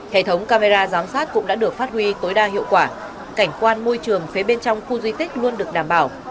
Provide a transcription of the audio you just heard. hệ thống camera giám sát cũng đã được phát huy tối đa hiệu quả cảnh quan môi trường phía bên trong khu di tích luôn được đảm bảo